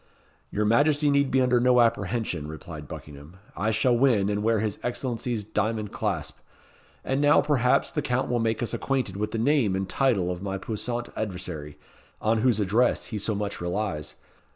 "Your Majesty need be under no apprehension," replied Buckingham. "I shall win and wear his Excellency's diamond clasp. And now, perhaps, the Count will make us acquainted with the name and title of my puissant adversary, on whose address he so much relies.